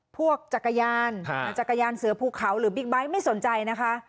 พวกจักรยานจักรยานเสือภูเขาหรือบิ๊กไบท์ไม่สนใจนะคะ